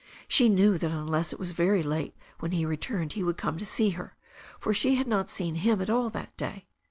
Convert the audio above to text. She knew that unless it was very late when he returned he would come to see her, for she had not seen him at all that day.